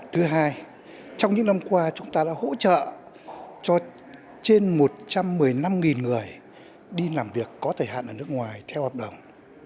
thứ hai trong những năm qua chúng ta đã hỗ trợ cho trên một trăm một mươi năm người đi làm việc có thời hạn ở nước ngoài theo hợp đồng